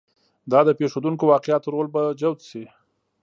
دا د پېښېدونکو واقعاتو رول به جوت شي.